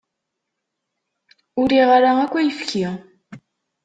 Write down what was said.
Ur riɣ ara akk ayefki.